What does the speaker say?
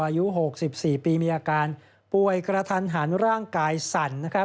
อายุ๖๔ปีมีอาการป่วยกระทันหันร่างกายสั่นนะครับ